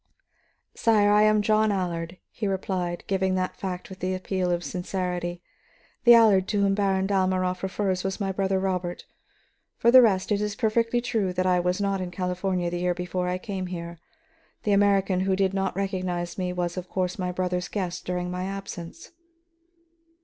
"Sire, I am John Allard," he replied, giving that fact with the appeal of sincerity. "The Allard to whom Baron Dalmorov refers was my brother Robert. For the rest, it is perfectly true that I was not in California the year before I came here. The American who did not recognize me was of course my brother's guest during my absence."